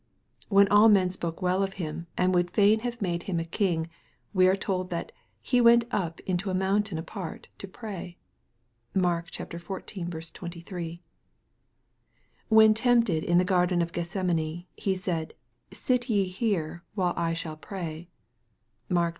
When all men spoke well of Him, and would fain have made Him a King, we are told that " He went up into a mountain apart to pray." (Mark xiv. 23.) When tempted in the garden of Gethsemane, He said, " Sit ye here, while I shall pray." (Mark xiv.